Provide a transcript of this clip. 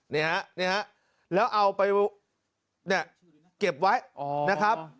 อ๋อนี่ฮะนี่ฮะแล้วเอาไปเก็บไว้นะครับ